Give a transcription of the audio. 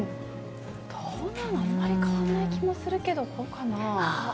どうなの、あんまり変わらない気もするけど、どうかな。